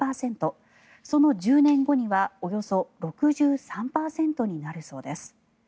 その１０年後にはおよそ６３％になるそうです。